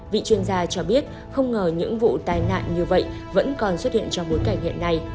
vị chuyên gia cho biết không ngờ những vụ tai nạn như vậy vẫn còn xuất hiện trong bối cảnh hiện nay